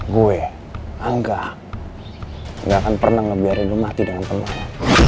gue angga gak akan pernah ngebiarin lo mati dengan temannya